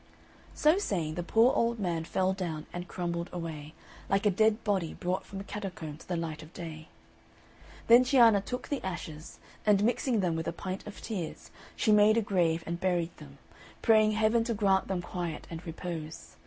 So saying, the poor old man fell down and crumbled away, like a dead body brought from a catacomb to the light of day. Then Cianna took the ashes, and mixing them with a pint of tears, she made a grave and buried them, praying Heaven to grant them quiet and repose.